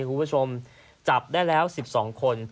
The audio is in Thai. คุณผู้ชมจับได้แล้ว๑๒คน